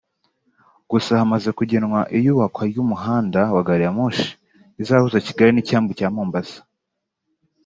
gusa hamaze kugenwa iyubakwa ry’umuhanda wa gari ya moshi izahuza Kigali n’icyambu cya Mombasa